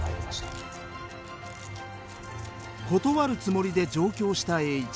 断るつもりで上京した栄一。